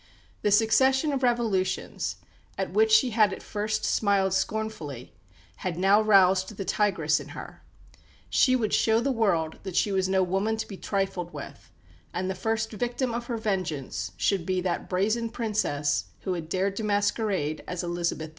The succession of revolutions, at which she had at first smiled scornfully, had now roused the tigress in her. She would show the world that she was no woman to be trifled with, and the first victim of her vengeance should be that brazen Princess who dared to masquerade as "Elizabeth II."